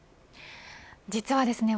実はですね